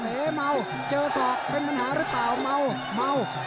เฮมัวเจอศอกเป็นปัญหาหรือเปล่า